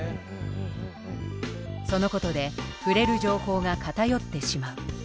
そのことで触れる情報が偏ってしまう。